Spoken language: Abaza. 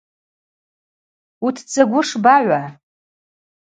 Утдзагвы шбагӏва.